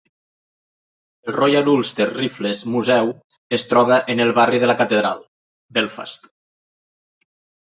El Royal Ulster Rifles museu es troba en el barri de la catedral, Belfast.